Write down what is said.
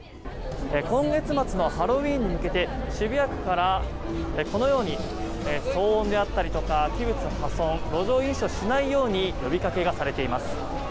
今月末のハロウィーンに向けて渋谷区からこのように騒音であったりとか器物破損路上飲酒をしないように呼びかけがされています。